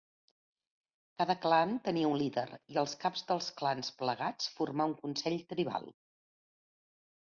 Cada clan tenia un líder, i els caps dels clans plegats formar un consell tribal.